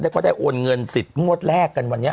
แล้วก็ได้โอนเงินสิทธิ์งวดแรกกันวันนี้